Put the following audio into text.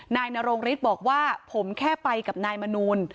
นายนรงฤทธิ์บอกว่าผมแค่ไปกับนายมนูล